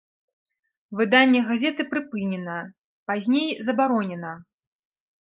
Выданне газеты прыпынена, пазней забаронена.